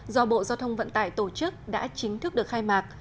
do bộ giao thông vận tải tổ chức đã chính thức được khai mạc